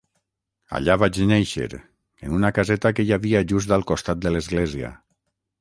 Allà vaig néixer, en una caseta que hi havia just al costat de l'església.